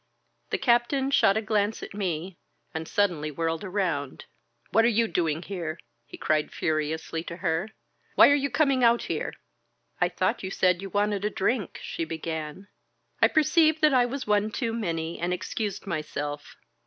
The Captain shot a glance at me, and suddenly whirled around. *'What are you doing here?" he cried furiously to her. "Why are you coming out here?" *^I thought you said you wanted a drink," she began. I perceived that I was one too many, and excused myself.